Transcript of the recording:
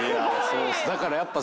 だからやっぱ。